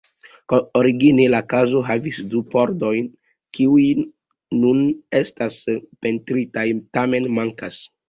Origine la kazo havis du pordojn, kiuj nun estas pentritaj, tamen mankas.